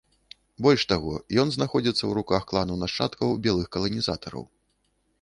Больш таго, ён знаходзіцца ў руках клану нашчадкаў белых каланізатараў.